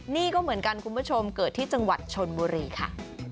นี่ก็เหมือนกันคุณผู้ชมเกิดที่จังหวัดชนบุรีค่ะ